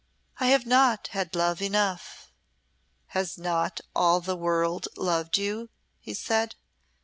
"I have not had love enough." "Has not all the world loved you?" he said.